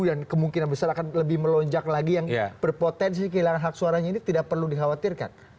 dan kemungkinan besar akan lebih melonjak lagi yang berpotensi kehilangan hak suaranya ini tidak perlu dikhawatirkan